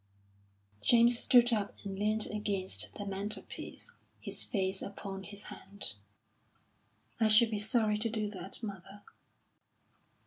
James stood up and leaned against the mantelpiece, his face upon his hand. "I should be sorry to do that, mother."